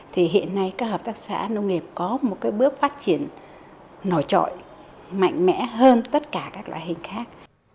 thì hiện nay các hợp tác xã nông nghiệp có một cái bước phát triển nổi trội mạnh mẽ hơn tất cả các loại hình khác